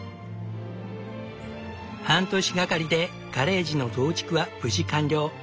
半年がかりでガレージの増築は無事完了。